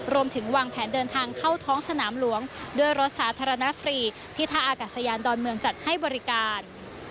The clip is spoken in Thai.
รวมถึงวางแผนเดินทางเข้าท้องสนามหลวงด้วยรถสาธารณะฟรีที่ท่าอากาศยานดอนเมืองจัดให้บริการ